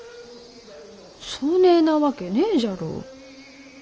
そねえなわけねえじゃろう。